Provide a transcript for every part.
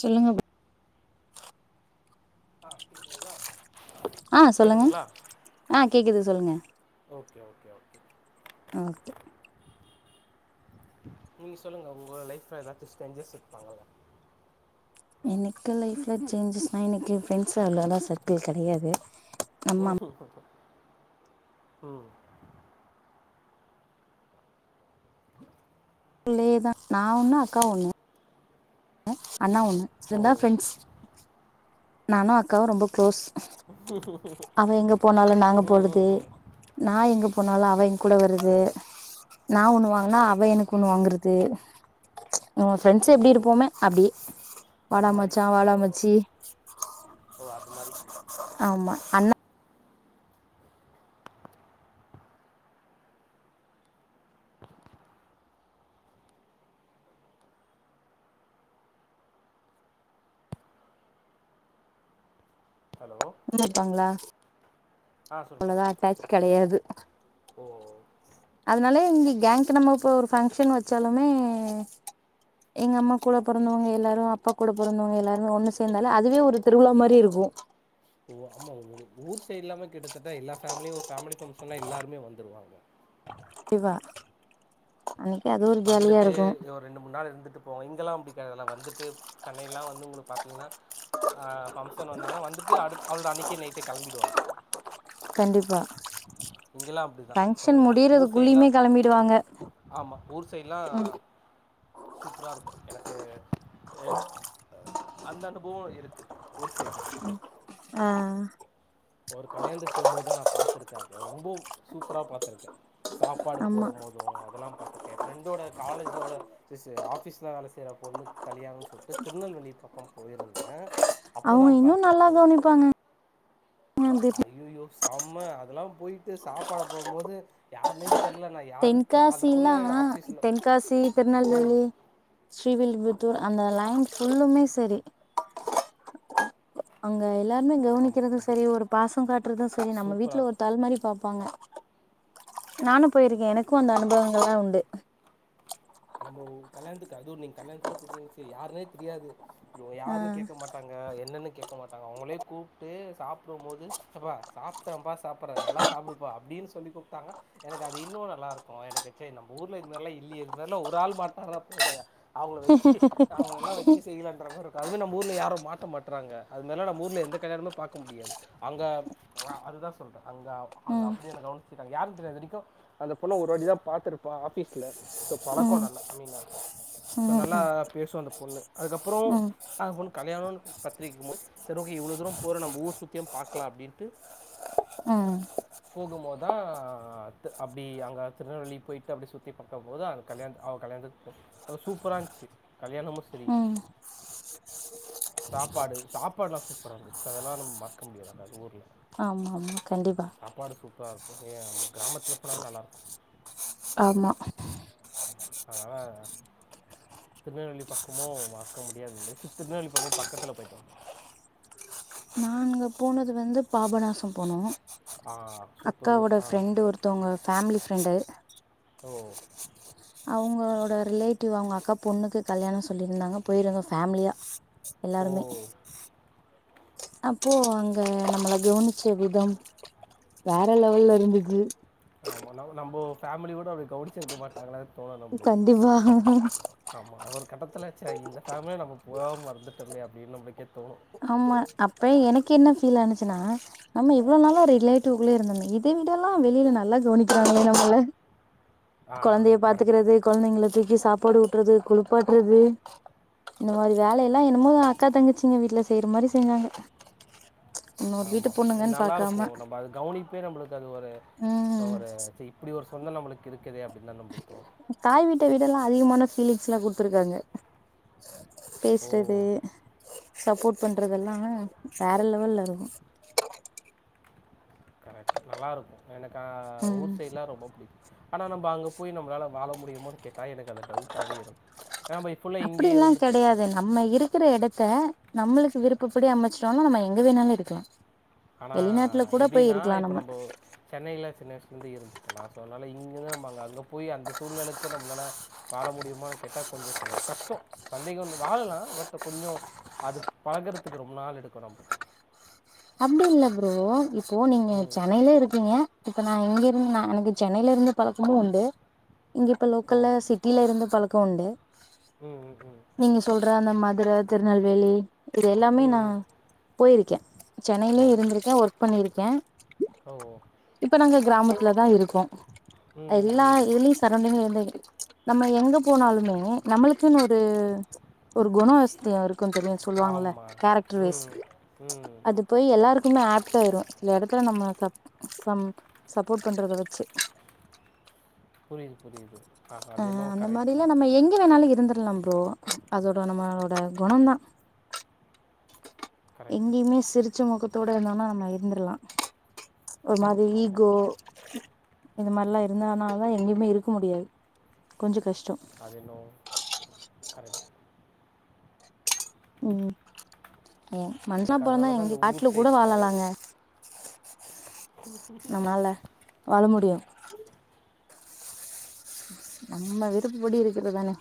சொல்லுங்கப் அ இல்ல அ சொல்லுங்க அ கேக்குது சொல்லுங்க ஓகே ஓகே ஓகே ஓகே நீங் சொல்லுங்க உங்ளோட லைஃப்ல ஏதாச்சு ஸ்ட்ரேன்ஜர்ஸ் இருப்பாங்கள எனக்கு லைஃப்ல சேஞ்சஸ்னா எனக்கு ஃப்ரெண்ட்ஸ் அவ்ளோவா சர்க்கிள் கெடையாது நம்ம ம் உள்ளயேதான் நா ஒண்ணு அக்கா ஒண்ணு அண்ணா ஒண்ணு ஓ இருந்தா ஃப்ரெண்ட்ஸ் நானு அக்காவு ரொம்ப க்ளோஸ் அவ எங்க போனாலு நாங்க ம் ம் போறது ம் நா எங்க போனாலு அ கூட ஓ வரது நா ஒண்ணு வாங்னா அவ எனக்கு ஒண்ணு வாங்கறது நம்ம ஃப்ரண்ட்ஸ் ஓ எப்டி இருப்போமே அப்டி அது வாடா மாரி மச்சா ஓ வாடா மச்சி ஓ அது மாரி ஆமா அண்ணா ஹலோ ன்ன இருப்பாங்ளா ஆ சொல்லுங்க அவ்வளதா டஃப் கெடையாது ஓ அதனால இங்க கேங்க்கு நம்ம இப்ப ஒரு ஃபங்க்ஷன் வெச்சாலுமே எங்க அம்மா கூட பொறந்தவங்க எல்லாரு அப்பா கூட பொறந்தவங்க எல்லாருமே ஒண்ணு சேந்தாலே அதுவே ஒரு திருவிழா மாரி இருக்கு கு ஓ ஆமா ஒரு ஊர் சைடு எல்லாமே கிட்டத்தட்ட எல்லா ஃபேமிலியு ஃபேமிலி ஃபங்ஷன்னா எல்லாருமே வந்துருவாங்க கெவா வந்துட்டு இங்க ரெண்டு மூணு நாள் இருந்துட்டு போவோ இங்கெல்லா அப்டி கெடையாதுல்ல வந்துட்டு சென்னைல்லா வந்து உங்களுக் பாத்திங்னா ஆ பங்க்ஷன் வந்தாங்னா வந்துட்டு அடு அவ்வளதா அன்னைக்கே நைட்டே கெளம்பிடுவாங்க கண்டிப்பா இங்கெல்லாம் அப்படி தான் ஸோ பங்க்ஷன் ஊர் முடியறதுக்குள்ளியுமே சைட்லாம் கெளம்பிடுவாங்க ஆமாம் ஊர் சைடுல்லா ம் சூப்ரா இருக்கு எனக்கு அந்த அனுபுவோ இருக்கு ஊர் சைட்ல அ ஒரு கல்யாணத்துக்கு போகும்போதுதா நா பாத்துருக்க அத ரொம்போ சூப்ரா பாத்துருக்க சாப்பாடு ஆமா போடபோது அதல்லா பாத்துருக்க ஃப்ரெண்டோ காலேஜ் என்னோட சீசி ஆஃபீஸ்ல வேலை செய்ற பொண்ணு கல்யாணம்னு சொல்லிட்டு திருநெல்வேலி பக்க போயிருந்த அவ்ங்க இன்னு நல்லா கவனிப்பாங்க [unintelligible] சம்ம அதெல்லா போய்ட்டு சாப்பாட போகும் போது யார்னே தென்காசிலா ஆஃபீஸில் தென்காசி ம் திர்நெல்வேலி ஸ்ரீவில்லிபுத் தூர் அந்த லைன் ஃபுல்லுமே செரி அ அங்க எல்லார்மே ஆமா கவ்னிக்கிறது அது செரி ஒரு பாசோ காட்றது செரி நம்ம சூப்பரா வீட்ல இருக்கு ஒருத்தால் மாரி பாப்பாங்க நானு போயிருக்கே எனக்கு அந்த அனுபவங்கள்லா உண்டு நம்போ கல்யாண்த்துக்கு அதுவு நீங் கல்யாண்த்துலா போய்ட்டீங்க வச்சீங் யாருனே தெரியாது இவுங்க ஆ யாருனு கேட்க மாட்டாங்க என்னன்னு கேக்க மாட்டாங்க அவுங்களே கூப்ட்டு சாப்டுமோது சித்தப்பா சாப்டம்பா சாப்பற நல்லா சாப்டுப்பா அப் டின் சொல்லி கூப்டாங்க எனக்கு அது இன்னு நல்லாருக்கோ எனக்கு செ நம்ப ஊர்ல இத் மார்லா இல்லியே இந் மேர்லா ஒரு ஆள் மாட்னா [unintelligible] போதையா அவுங்ள வெச்சி அவுங்ளெல்லா வெச்சி செய்யலான்ற மாரருக்கு அதுமே நம்ப ஊர்ல யாரு மாட் ட மாட்றாங்க அது மேர்லா நம்ப ஊர்ல எந்த கல்யாணமே பாக்க முடியாது. அங்க அ அதுதா சொல்ற அங்க அங்க ம் அப்படி என்ன கவ்ன்ச்சிக்கிட்டங்க யாருன் தெரியாது இதுவரிக்கு அந்த பொண்ண ஒருவாட்டிதா பாத்துருப்ப நா ஆஃபீஸ்ல சோ ம் பழக்கம் ம் நல்லா அ மீனு சோ நல்லா ம் பேசு அந்த பொண்ணு அதுக்கப்புறோ ம் அத பொண்ணு கல்யாணோன் பத்ரிக் [unintelligible] போத் செர் ஓகே இவ்ளோ தூரோ போறோ நம்ப ஊர் சுத்தியு பாக்கலா அப்டின்ட்டு போகும்போதா அத்த அப்டி அங்க திருநெல்வேலி போய்ட்டு அப்டி சுத்தி பாக் பாக்கும்போது அவ கல்யாண்த் அவ கல்யாணத்துக் போ அங் சூப்பரா இன்ச்சு கல்யாணமு செரி ம் சாப்பாடு சாப்பாட்லா சூப்பரா இருந்துச்சு அதெல்லா நம் மற்க்க முடியாது அந்த ஊர்ல ஆமா ஆமா கண்டிப்பா சூப்பரா இர்கோ ஏ நம்ழ க்ராமத்ல போனாலே நல்லாருக்கு ஆமா அத்னால அ திருநெல்வேலி பக்கமு மற்க்க முடியாத மேரி செர் திருநெல்வேலி பக்கமு பக்கத்துல போய்ட்டோ நாங்க போனது வந்து பாபநாசோ போனோ ஆ சூப்பர் ஊர். அக்காவோட ஆ. ஃப்ரெண்டு ஒருத்தவங்க ஃபேமிலி ஃப்ரெண்டு ஒ ஒ ஒ அவுங்களோட ரிலேட்டிவ் அவுங்க அக்கா பொண்ணுக்கு கல்யாணோ சொல்லியிருந்தாங்க போயிருந்தோ ஃபேமிலியா ஓ! எல்லாருமே அப்போ அங்க நம்மள கவ்னிச்ச விதம் வேற லெவல்ல இருந்துது ஆமா ந நம்போ ஃபேமிலி கூடோ அப்டி கவ்னிச்சுருக்க மாட்டாங்கல கண்டிப்பா கட்டத்துல ச இந்த ஃபேமிலில நம்ப போகம இர்ந்துட்டமே அப்டின் நம்ப்ளுக்கே தோனு ஆமா அப்ப எனக்கென்ன ஃபீல் ஆனுச்சுன்னா நம்ம இவ்ளோ நாளா ரிலேட்டிவ் குள்ளயே இருந்தோமே இத வி ட ல்லா வெளில நல்லா கவ்னிக்கிறாங்களே நம்பள ஆ கொழந்தைய கரெக்ட். பாத்துக்கிறது கொழந்தைங்ள தூக்கி சாப் பாடு ஊட்றது குளுப்பாட்றது இந்த மாரி வேலையெல்லா என்னமோ அக்கா தங்கச்சீங்க வீட்ல செய்ற மாரி செஞ்சாங்க இன்னொரு வீட்டு ஆமா இத் பொண்ணுங்கன்னு நல்லாருக்கு பாக்காம நம்ப அது கவ்னிப்பே நம்ப்ளுக்கு அது ஒரு ம் தவற சி இப்படி ஒரு சொந்தோ நம்புளுக் இருக்குதே அப்டின் தா நம்ப்ளுக் தோனோ தாய் வீட்ட விடல்லா அதிகமான ஃபீலிங்ஸ்லா குட்த்துருக்காங்க ஓ! பேஸ்றது சப்போட் பண்றதெல்லா வேற லெவல்ல இருக்கு கரெக்ட் நல்லாருக்கோ எனக் ஆ ஊர் ம் சைடுலா ரொம்ப புடிக்கு ஆனா நம்ப அங்க போய் நம்ப்ளால வாழ முடியுமானு கேட் டா எனக்கு அந்த டவுட்டாவே இருக் ஏன்னா நம்ப ஃபுல்லா இங்க்யே அப்படில்லா இருந்துட்டோ [unintelligible] கெடையாது நம்ம இருக்கிற எடத்த நம்மளுக்கு விருப்பப்படி அமச்சிடோனா நம்ம எங்க வேணாலு இருக்கலா ஆனா வெளிநாட்டுல கூட போய் எப்டீனா இருக்கலா இப்ப நம்ம நம்போ சென்னையில சின்ன வய்சுலந்நு இருந்துட்டோ நா சோ அத்னால இ ங்க தா நம் அங்க போயி அந்த சூழ்நிலைக்கு நம்மளால வாழ முடியுமானு கேட்டா கொஞ்ச சந்தேகோ கஷ்ட்டோ சந்தேக வந் வாழலா பட் கொஞ்சோ அது பழகுறதுக்கு ரொம்ப நாள் எடுக்கு நமக் அப்டி இல்ல ப்ரோ இப்போ நீங்க ம் சென்னையில இருக்கீங்க இப்ப நா இங்கருந்து நா எனக்கு சென்னையில இருந்து பழக்கமு உண்டு இங்க இப்ப ஓ லோக்கல்ல சிட்டில இருந்து பழக்கோ உண்டு ம் ம், ம் நீங்க சொல்ட்ற அந்த ம துர திருநெல்வேலி இது எல்லாமே நா ம் போயிருக்கே சென்னையிலேயே ஓகே இருந்திருக்கே ஒர்க் பண்ணிருக்கே ஓ இப்ப நாங்க கிராமத்துலதா இருக்கோ ம் ம், எல்லா ம் இதுலயு சரௌண்டிங்ல எ நம்ம எங்க போனாலுமே நம்மளுக்குன் ஒரு ஒரு குணவஸ்தியோ இருக்குன் தெரியு சொல்லுவாங்கல்ல ஆமாம் கேரக்டர் வைஸ் ம் ம் அது போய் எல்லாருக்குமே ஆப்ட் ஆயிரு சில எடத்துல நம்ம சம் சப்போட் பண்றத வச்சு புரியிது புரியிது ஆமா அது என்னவோ கரெட்டு தா பண்லா ப்ரோ அதோட நம்மளோட குணம் தா கரெக்டு எங்கேயிமே சிரிச்ச முக்கத்தோட இருந்தோம்னா நம்ம இருந்திர்லா ஒரு ம் மாரி ஆமாம் ஈகோ இந்த மாரிலா இருந்தானா எங்கயுமே இருக்க முடியாது கொஞ்ச கஷ் அது என்னவோ கரெட்டு தா ம் ஏ மன்சனா எனக்கு பொறந்தா அதனால தான் எங்க இந்த ஊர் காட்டுல கூட சைட்ஸ்னாவே வாழலாங்க நம்மளால வாழ முடியு நம்ம விருப்புப்படி இருக்கிறதுதானே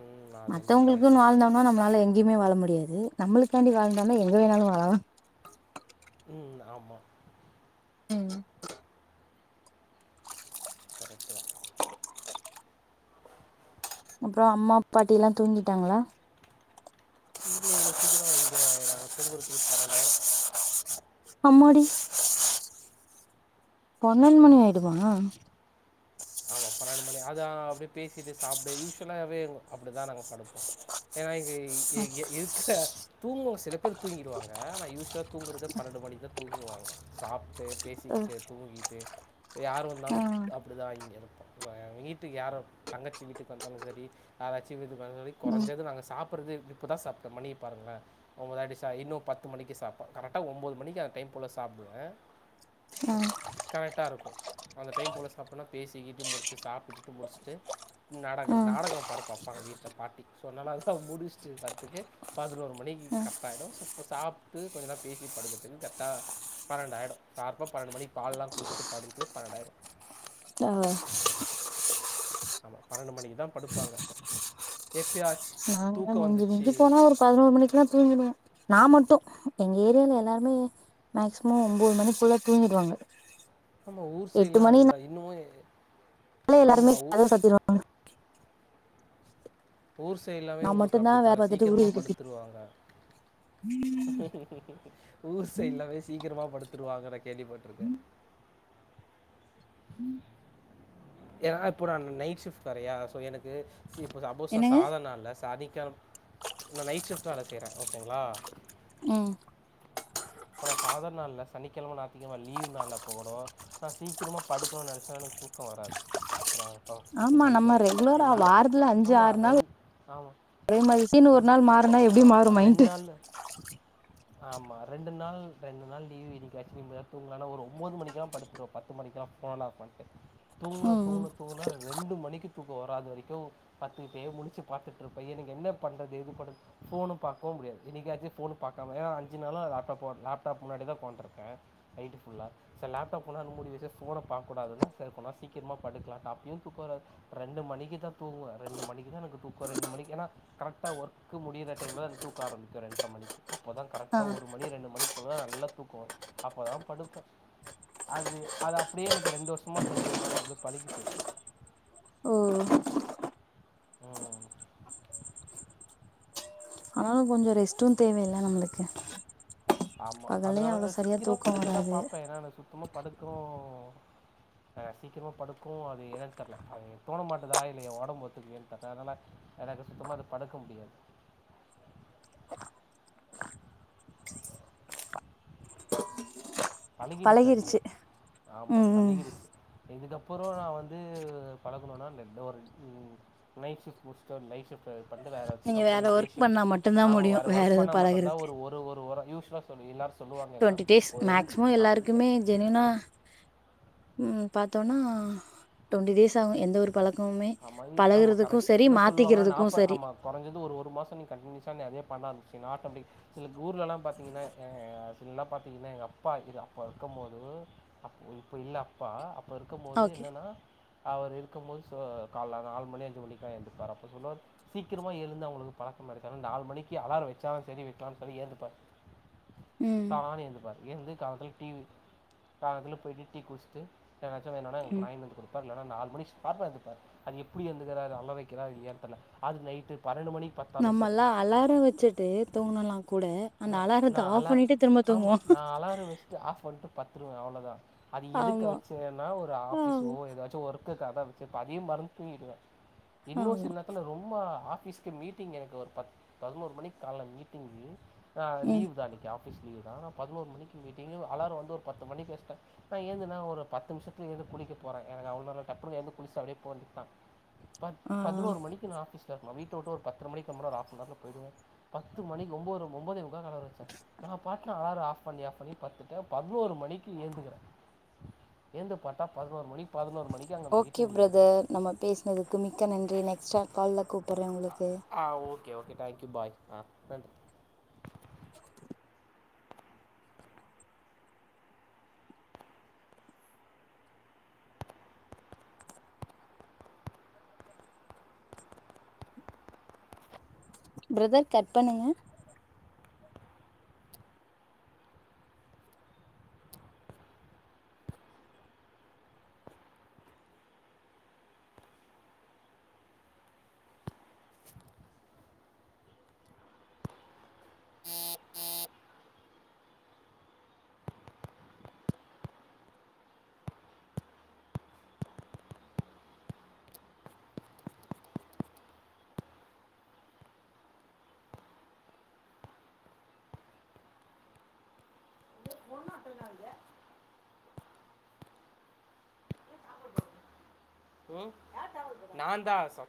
ம் அது என்ன கரெக்டு மத்தவங்களுக்குன் தான் வாழ்ந்தோம்னா நம்மளால எங்கேயுமே வாழ முடியாது நம்மளுக்காண்டி வாழ்ந்தனா எங்க வேணாலு வாழலா ம் ஆமா ம் கரெட்டு தா அப்புறோ அம்மா பாட்டில்லா தூங்கிட்டாங்ளா வீட்ல இவ்ளோ சீக்கிரமா இங்க நாங்க தூங்குறதுக்கு பன்ணென்டாயிடு அம்மாடி பன்ணென்டு மணி என்னாச்சு ஆயிடுமா ஆமா பன்ணென்டு மணி அத அப்படியே பேசிட்டு சாப்பிடு யூஷுலாவே அப்டிதா நாங்க படுப்போ ஏனா இது எ எ இருக்க தூங்குவோ சில பேர் தூங்கிடுவாங்க யூஸ்லா தூங்கறதே பன்ணென்டு மணிக்கு தா தூங்குவாங்க சாப்ட்டு பே அ சிக்கிட்டு தூங்கீட்டு யாரு வந்தாலு ஆ அப்படிதா இங்க இருப்ப அ வீட்டுக்கு யாரு தங்கச்சி வீட்டுக்கு வந்தாலு சரி ஆராச்சு வீட்டுக்கு வந்தாலு ம் கொறஞ்சது நாங்க சாப்பிட்றது இப்ப தா சாப்ட்டே மணிய பாருங்ளே ஒம்பதாயிடுச்சா இன்னு பத்து மணிக்கு சாப்ட்ட கரட்டா ஒம்போது மணிக்கு அந்த டைம் போல சாப் பிடுவே ம் கரட்டா இருக்கு அந்த டைம் போல சாப்ட்னா பேசிக்கிட்டு முடிச்சு சாப்ட்டுகிட்டு முடிச்சுட்டு ஆ நாடகள் நாடகோ பரப்பப்பாங்க வீட்ல பாட்டி சோ அதனால அதல்லா முடிச்சிட்டு பத்துக்கு பதினோரு மணிக்கு கரட்டாயிடு சோ இப்ப சாப்ட்டு கொஞ்ச நேரோ பேசிட் படுக்கறது கர்ட்டா பன்ணெண்டாய்டு சார்ப்பா பன்ணெண்டு மணிக்கு பால்ல்லா குடிச்சிட்டு படுத்து பன்ணெண்டாய்டு ஆ ஆமா பன்ணென்டு மணிக்கு தா படுப்பாங்க எப்பியாச் நாங்க தூக்கோ வந்து மிஞ்சி மிஞ்சி போனா ஒரு பதினோரு மணிக்குல்லா தூங்கிடுவே நா மட்டு எங்க ஏரியால எல்லாருமே மேக்சிமம் ஒம்போது மணிக்குள்ள தூங்கிடுவாங்க ஆமா ஊர் எட்டு சைட்ல்லா அதுதா மணினாலே இன்னு [inaudible] எல்லாருமே கதவு சாத்திடுவாங்க ஊர் சைட் எல்லாமே நான் உங்களுக்கு மட்டும் தான் வேல அப்படித்தானே பாத்துட்டு சீக்கிரமாக ஊரு படுத்துருவாங்க ஊர் சைட் எல்லாமே சீக்கிரமா படுத்துருவாங்க நா கேள்விப்பட்ருக்கே ஆஹ ஏனா இப்போ நான் நைட் ஷிப்ட் வேறயா சோ எனக்கு சி இப்போ சப்போஸ் நா என்னங்க சாதாரண நாள்ல சனி கிளப் நா நைட் ஷிஃப்ட் வேல செய்யற ஓகேங்ளா ம் இப்ப நா சாதாரண நாள்ள சனிக்கிழம ஞாயித்துக்கிழம லீவ் நாள்ள போகனு நா சீக்கிரமா படுக்கணுனு நெனச்சாலு தூக்கோ வராது அப்பறோ பா சீக்கிர ஆமா மணிக்கு நம்ம வர ரெகுலரா டென் ஆகு ஆமா ரெண் ஆமா அதே மாரி திடீர்னு ஒரு நாள் மாறுனா எப்டி ஆமா மாறு மைன்ட்டு நாள்ல ஆமா ரெண்டு நாள் ரெண்டு நாள் லீ்வ் என்க்கு ஆக்சுவலி கொஞ்ச நேரோ தூங்ளானா ஒரு ஒம்பது மணிக்கெல்லா படுத்துருவ பத்து மணிக்கா போன ஆப் பண் ட்டு தூங்னா ம் தூங்னா தூங்னா ரெண்டு மணிக்கு தூக்கோ வராது வரைக்கு பத்து பே முடிச்சு பத்துட்டு இருப்ப எனக் என்ன பண்றது ஏது பண் போன் பாக்கவு முடியாது என்னைக்காச்சு போன் பாக்காம அஞ்சு நாளா டப்வா லேப்டாப் முன்னாடிதா உக்கான்டு இருக்கே நைட் ஃபுல்லா சே லேப்டாப் முன்னாடி மூடி வெச்சு போன பாக்கூடாதுனா செரி போனா சீக்கிரமா படுக்கலான்டா அப்புயு தூக்கோ வராது ரெண்டு மணிக்குதா தூங்குவ ரெண்டு மணிக்குதா எனக்கு தூக்கோ ரெண்டு மணிக்கு ஏனா கரெக்டா ஒர்க் முடியற டைம்லதா எனக்கு தூக்கோ ஆரம்பிக்கு ரெண்டரை மணிக்கு அப்பதா கரெக்டா ம் ஒரு மணிக்குள்ளதா நல்லா தூக்கோ வரு அப்பதா படுப்பே அது அது அப்படியே எனக்கு ரெண்டு வருஷமா செஞ்சதுனால அப்படியே பழகி போயிடுச்சு ஓ ம் ஆனாலு கொஞ்சோ ரெஸ்ட்டு தேவையில்ல நம்மளுக்கு ஆமா பகல்லயு அவ்ளோ அதனாலதா சரியா சீக்கிரமா தூக்கோ படுக்கதா வராது பாப்பே ஏனா நா சுத்தமா படுக்கவு ஆ சீக்கிரமா படுக்கவு அது ஏன்னே தெர்ல அது தோண மாட்டதா இல்ல எ ஒடம்பு ஒத்துக்கலயான்னு தெர்ல அதனால எனக்கு சுத்தமா அது படுக்க முடியாது பழகிடுச்சு அதுவே பழகிருச்சு ஆமா ம் ம் பழகிடுச்சு இதுக்கப்புறோ நா வந்து பழக்கணுனா இல் எந்த ஒரு நைட் ஷிப்ட் முடிச்சுட்டு ஒரு லைஃப் ஷிப்டாகுது பந்து வேற வெச்சு நீங்க கம்பெனி வேற டே ஒர்க் ஷிப்ட் பண்ணா மட்டுந்தா ஆமா முடியு வேற ஒர்க் எது பண்ணா மட்டுந்தா பழகுறதுக்கு ஒரு ஒரு ஒரு ஒர யூ சுவலா தோழி எல்லாரு சொல்லுவாங்க என்னனா டுவெண்ட்டி டேஸ் ஒ எந் மேக்சிமம் ஆமாம் எல்லாருக்குமே ஜெனுனா ம் பத்தோனா டுவெண்டி டேஸ் ஆகு எந்த ஒரு பழக்கமுமே அமை ஆமா பழகுறதுக்கு கரெக்ட்டு சரி என்ன சொல்லுவாங்கனா மாத்திக்கிறதுக்கு நாப்ப சரி ஆமா கொறஞ்சது ஒரு ஒரு மாசோ நீ கன்டினியூஸ் காந்து அதே பண்ணான்ங் செ ஆட்டமடிக் சிலகூர்லலா பாத்தீங்கனா ஆ சிலலா பாத்தீங்கனா எங்கப்பா இது அப்ப இருக்கு போது இப்ப இல்ல அப்பா இப்ப இருக்கு போது ஓகே என்னன்னா அவர் இருக்கு போது சொ கால நாலு மணி அஞ்சு மணிக்லா எந்திப்பாரு அப்ப சொல்வாரு சீக்கிரமா எழுந்து அவுங்ளுக்கு பழக்கமாரக்கு நாலு மணிக்கு அலார வ வெச்சாலு செரி வெக்கிலனாலு சரி ஏ தப்பா ம் டான்னு ஏந்துப்பார் ஏந்து காலத்துல டீ காலத்துல போயிட்டு டீ குடிச்ட்டு எதாச்சு வேனுனா எனக்கு ம் ஒரு ஆயின்மென்ட் குடுப்பார் இல்லனா நாலு மணிக்கு ஷார்பா எந்திரிப்பார் அது எப்டி எந்திக்கிறார் அளா வைக்கிறாரா இல்லையானு தெர்ல அது நைட்டு பன்னெண்டு மணிக்கு பார்த்தாலும் சரி நம்மல்லா அலாரோ வெச்சிட்டு தூங்கலா கூட அந்த நான் அலாரத்த நான் ஆஃப் அலார் பண்ணிட்டு திரும்ப தூங்குவோ திரும்பி அவ்ளோதா அது எதுக்கு வெச்சேன்னா ஒரு ஆபிஸ் ஆமா ஓ எதாச்சோ ஒர் க்குகாதா வெச்சிருப்ப அதியும் மறந்து தூங்கிடுவே இன்னூ ஆமா சில நேர்த்துல ரொம்ப ஆ ஃபீஸ்க்கு மீட்டிங் எனக்கு ஒரு பத் பதினோர் மணிக்கு கால்ல மீட்டிங்கு ஆ ம் லீவ்தா அன்னைக்கு ஆ ஃபீஸ் லீவ்தா நா பதினோர் மணிக்கு மீட்டீங்கு அலாரோ வந்து ஒரு பத்து மணிக்கு வெச்சுட்டே நா ஏந்திர்னா ஒரு பத்து நிஷத்துல‌ எழு குளிக்க போறே எனக் அவ்ளோளா டப்னு எழுந்து குளிச்ட்டு அப்டியே போ வேண்டியதா ப ஆ பதினோரு மணிக்கு நா ஆஃபீஸ் சார் நா வீட்ட விட்டு ஒரு பத்தர மணிக் கெளம்புனா ஒரு ஆஃப் ஹவர்ல போய்டுவே பத்து மணிக்கு ஒம்பதர ஒம்போதே முக்கால்ல அலாரோ வெச்சே ஆனா பாட்னா அலார் ஆஃப் பண்ணி ஆஃப் பண்ணி பத்துட்டே பதினோரு மணிக்கி ஏந்துகிறே ஏந்து பாத்தா பதினோர் மணி பதினோரு மணிக்கு அங்கே ஓகே மீட்டிங்கில் இருக்குது பிரதர் நம்ம பேசினதுக்கு மிக்க நன்றி நெக்ஸ்டா கால்ல கூப்படற உங்ளுக் ஆ ஓகே ஓகே தேங்க்யூ பாய் ஆ நன்றி பிரதர் கட் பண்ணுங்க இ போண்ணாட்டெ நாங்கெ ம் நான்தா ச